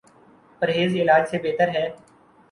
پرہیز علاج سے بہتر ہے